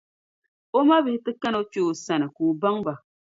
O mabihi ti kana kpe o sani, ka o baŋ ba.